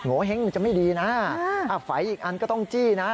โฮเฮ้งมันจะไม่ดีนะไฝอีกอันก็ต้องจี้นะ